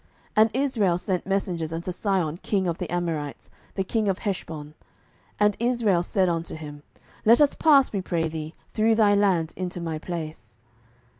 07:011:019 And Israel sent messengers unto Sihon king of the Amorites, the king of Heshbon; and Israel said unto him, Let us pass, we pray thee, through thy land into my place.